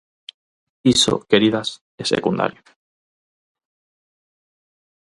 Iso, queridas, é secundario.